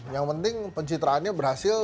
yang penting pencitraannya berhasil